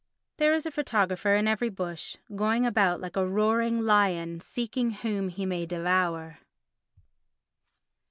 There is a photographer in every bush, going about like a roaring lion seeking whom he may devour.